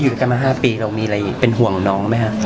อยู่กันมา๕ปีเรามีอะไรเป็นห่วงของน้องไหมฮะ